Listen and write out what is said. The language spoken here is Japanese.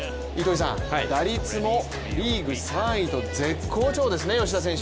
打率もリーグ３位と絶好調ですね、吉田選手。